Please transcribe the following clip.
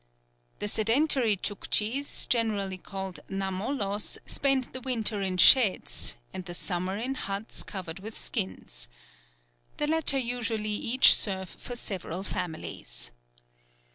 The sedentary Tchouktchis, generally called Namollos, spend the winter in sheds, and the summer in huts covered with skins. The latter usually each serve for several families.